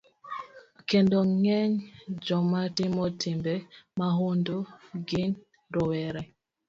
Kendo ng'eny joma timo timbe mahundu gin rowere.